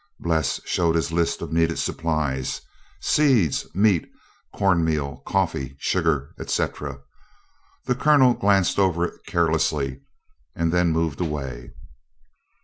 Bles showed his list of needed supplies seeds, meat, corn meal, coffee, sugar, etc. The Colonel glanced over it carelessly, then moved away.